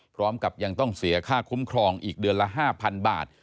พร้อมกับยังต้องเสียค่าคุ้มครองอีกเดือนละ๕๐๐๐บาท